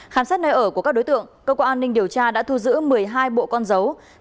khám xét nơi ở của các đối tượng cơ quan an ninh điều tra đã thu giữ một mươi hai bộ con dấu